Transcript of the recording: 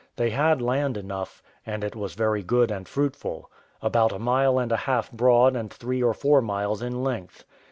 They had land enough, and it was very good and fruitful; about a mile and a half broad, and three or four miles in length.